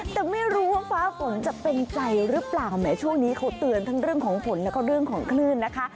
แต่ไม่รู้ว่าฟ้าฝนจะเป็นใจหรือเปล่าแหมช่วงนี้เขาเตือนทั้งเรื่องของฝนแล้วก็เรื่องของคลื่นนะคะ